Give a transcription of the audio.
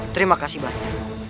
terima kasih bapak